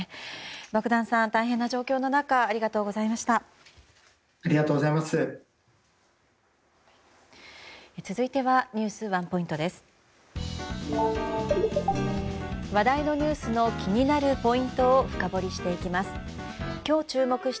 ボグダンさん、大変な状況の中ありがとうございました。